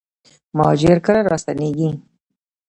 مهاجر کله راستنیږي؟